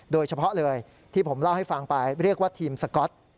โดยเฉพาะเลยที่ผมเล่าให้ฟังไปเรียกว่าทีมสก๊อต